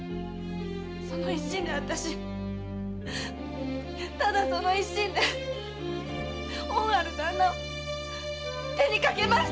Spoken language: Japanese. その一心であたしただその一心で恩ある旦那を手にかけました！